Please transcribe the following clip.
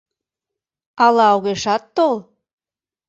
Ала огешат тол?